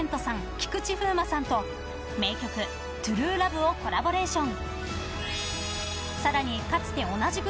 菊池風磨さんと名曲「ＴＲＵＥＬＯＶＥ」をコラボレーション。